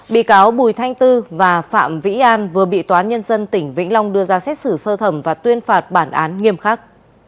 bị cáo bùi thanh tư và phạm vĩ an vừa bị toán nhân dân tỉnh vĩnh long đưa ra xét xử sơ thẩm và tuyên phạt bản án nghiêm khắc